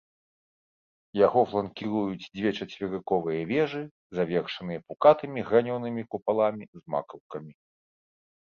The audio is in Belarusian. Яго фланкіруюць дзве чацверыковыя вежы, завершаныя пукатымі гранёнымі купаламі з макаўкамі.